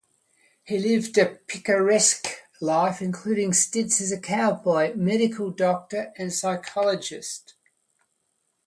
He lived a picaresque life including stints as a cowboy, medical doctor and psychologist.